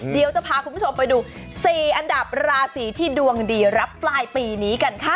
เดี๋ยวจะพาคุณผู้ชมไปดู๔อันดับราศีที่ดวงดีรับปลายปีนี้กันค่ะ